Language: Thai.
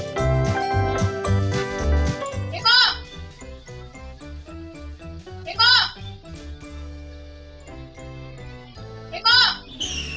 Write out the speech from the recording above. โปรดติดตามตอนต่อไป